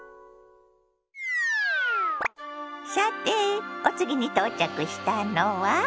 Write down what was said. さてお次に到着したのは？